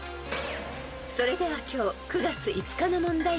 ［それでは今日９月５日の問題から］